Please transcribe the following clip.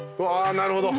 なるほど。